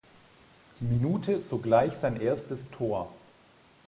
Minute sogleich sein erstes Tor.